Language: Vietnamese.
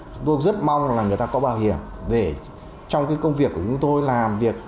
chúng tôi rất mong là người ta có bảo hiểm để trong cái công việc của chúng tôi làm việc